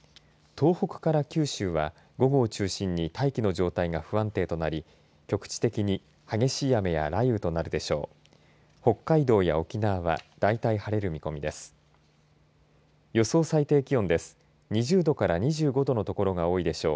東北から九州は午後を中心に大気の状態が不安定となり局地的に激しい雨や雷雨となるでしょう。